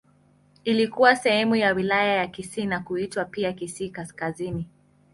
Ilikuwa sehemu ya Wilaya ya Kisii na kuitwa pia Kisii Kaskazini.